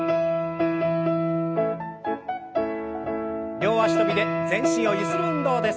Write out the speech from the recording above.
両脚跳びで全身をゆする運動です。